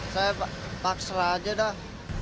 saya paksa aja dah